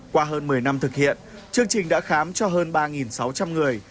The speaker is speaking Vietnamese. qua hơn một mươi năm thực hiện chương trình đã khám cho hơn ba sáu trăm linh người